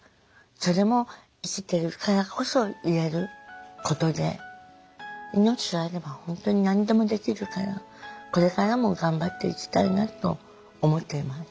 それも生きてるからこそ言えることで命があれば本当に何でもできるからこれからも頑張っていきたいなと思っています。